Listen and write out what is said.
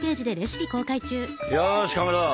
よしかまど